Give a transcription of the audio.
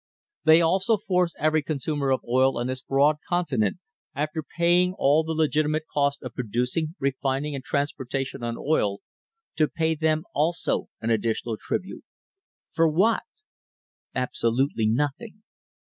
They also force every consumer of oil on this broad continent, after paying all »e legitimate cost of producing, refining, and transportation on oil, to pay them also 1 additional tribute — for what ? Absolutely nothing.